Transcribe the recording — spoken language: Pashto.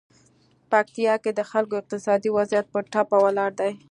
پکتیکا کې د خلکو اقتصادي وضعیت په ټپه ولاړ دی.